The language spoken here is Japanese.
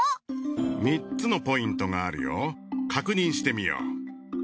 ３つのポイントがあるよ確認してみよう。